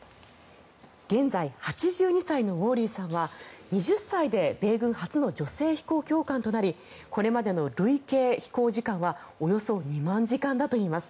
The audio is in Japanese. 現在、８２歳のウォーリーさんは２０歳で米軍初の女性飛行教官となりこれまでの累計飛行時間はおよそ２万時間だといいます。